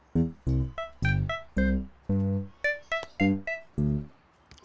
gumpang sampai keterbalik